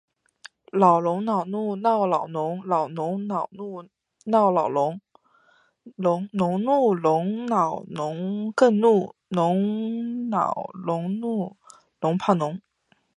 老龙恼怒闹老农，老农恼怒闹老龙。农怒龙恼农更怒，龙恼农怒龙怕农。